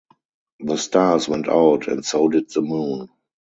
The stars went out and so did the moon.